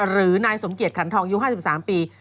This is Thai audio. หรือนายสมเกียจขันทองอายุ๕๓ปี